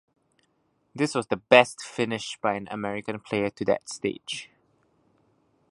This was the best finish by an American player to that stage.